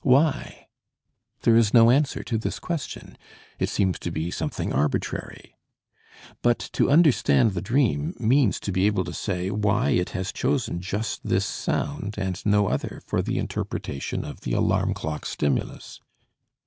Why? There is no answer to this question, it seems to be something arbitrary. But to understand the dream means to be able to say why it has chosen just this sound and no other for the interpretation of the alarm clock stimulus.